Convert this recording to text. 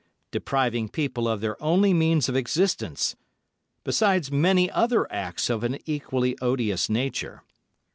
_, depriving people of their only means of existence; beside many other acts of an equally odious nature.